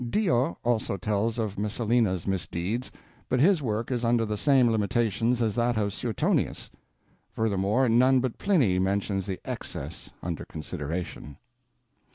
Dio also tells of Messalina's misdeeds, but his work is under the same limitations as that of Suetonius. Furthermore, none but Pliny mentions the excess under consideration.